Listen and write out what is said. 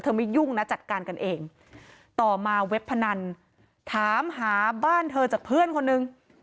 ไม่ยุ่งนะจัดการกันเองต่อมาเว็บพนันถามหาบ้านเธอจากเพื่อนคนนึง